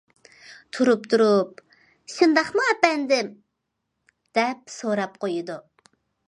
تۇرۇپ- تۇرۇپ« شۇنداقمۇ، ئەپەندىم؟» دەپ سوراپ قويىدۇ.